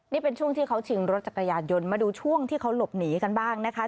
นี่เป็นช่วงที่เขาชิงรถจักรยานยนต์มาดูช่วงที่เขาหลบหนีกันบ้างนะคะ